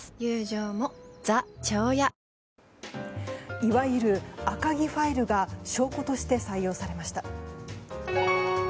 いわゆる赤木ファイルが証拠として採用されました。